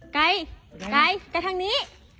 ไกแต่ทางนี้